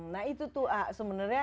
nah itu tuh sebenarnya